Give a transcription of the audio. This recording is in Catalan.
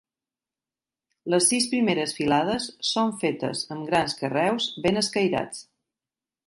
Les sis primeres filades són fetes amb grans carreus ben escairats.